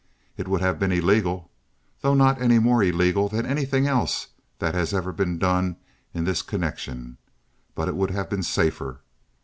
It would have been illegal—though not any more illegal than anything else that has ever been done in this connection—but it would have been safer.